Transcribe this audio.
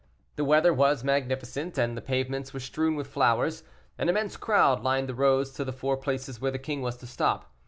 The weather was magnificent, and the pavements were strewn with flowers; an immense crowd lined the roads to the four places where the king was to stop.